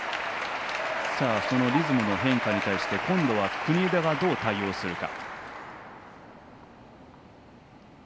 そのリズムの変化に対して今度は国枝がどう対応するか。